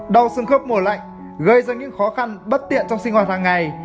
đau xương khớp mùa lạnh gây ra những khó khăn bất tiện trong sinh hoạt hàng ngày